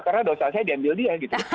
karena dosa saya diambil dia gitu